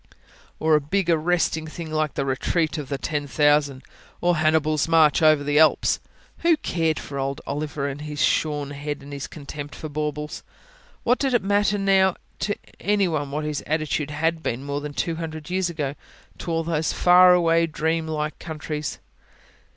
Or a big, arresting thing like the Retreat of the Ten Thousand, or Hannibal's March over the Alps? Who cared for old Oliver, and his shorn head, and his contempt for baubles! What did it matter now to anyone what his attitude had been, more than two hundred years ago, to all those far away, dream like countries?